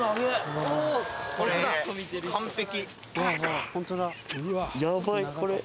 完璧。